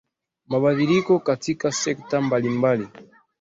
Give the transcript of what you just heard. mabadiliko katika sekta mbalimbali